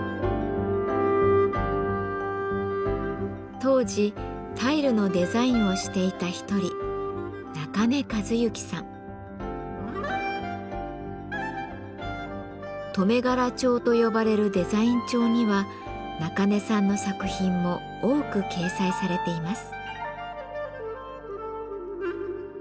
当時タイルのデザインをしていた一人留柄帖と呼ばれるデザイン帳には中根さんの作品も多く掲載されています。